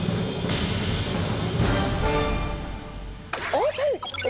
オープン！